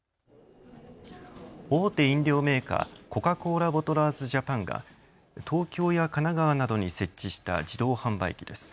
大手飲料メーカー、コカ・コーラボトラーズジャパンが東京や神奈川などに設置した自動販売機です。